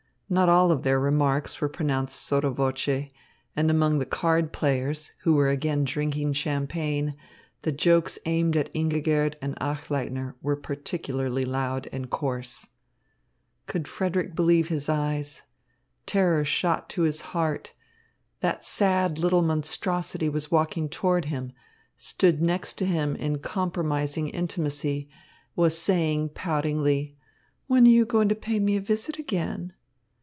Not all of their remarks were pronounced sotto voce, and among the card players, who were again drinking champagne, the jokes aimed at Ingigerd and Achleitner were particularly loud and coarse. Could Frederick believe his eyes? Terror shot to his heart. That sad little monstrosity was walking toward him stood next to him in compromising intimacy was saying poutingly: "When are you going to pay me a visit again?"